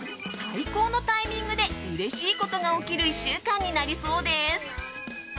最高のタイミングでうれしいことが起きる１週間になりそうです。